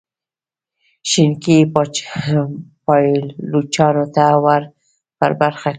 ښېګڼې یې پایلوچانو ته ور په برخه کړي.